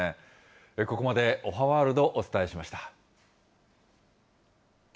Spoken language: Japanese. ここまでおはワールド、お伝えしました。